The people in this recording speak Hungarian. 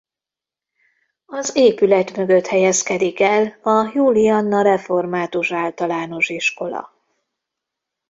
Az épület mögött helyezkedik el a Julianna Református Általános Iskola.